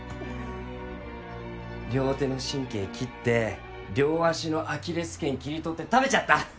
両手の神経切って両足のアキレス腱切り取って食べちゃったはははっ。